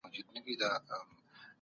موږ باید خپل لګښتونه کنټرول کړو.